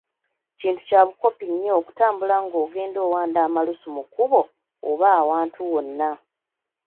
Kintu kya bukopi nnyo okutambula ng’ogenda owanda omalusu mu kkubo, oba awantu wonna.